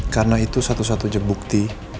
karena itu satu satunya bukti